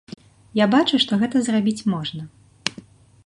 Я бачу, што гэта зрабіць можна.